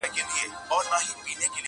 زه وایم داسي وو لکه بې جوابه وي سوالونه,